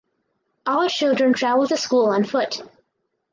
All children travel to school on foot.